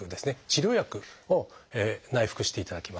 治療薬を内服していただきます。